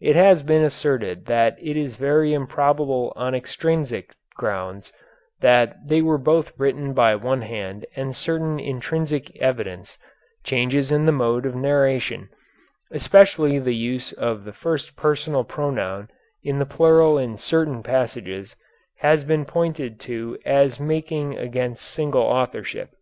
It has been asserted that it is very improbable on extrinsic grounds that they were both written by one hand and certain intrinsic evidence, changes in the mode of narration, especially the use of the first personal pronoun in the plural in certain passages, has been pointed to as making against single authorship.